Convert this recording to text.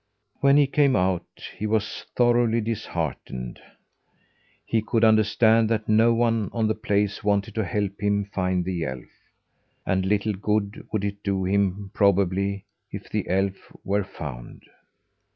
When he came out, he was thoroughly disheartened. He could understand that no one on the place wanted to help him find the elf. And little good would it do him, probably, if the elf were found.